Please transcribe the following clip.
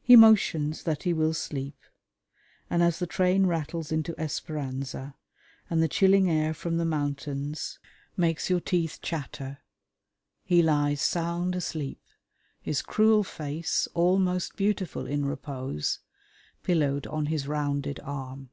He motions that he will sleep, and as the train rattles into Esperanza and the chilling air from the mountains makes your teeth chatter, he lies sound asleep, his cruel face, almost beautiful in repose, pillowed on his rounded arm.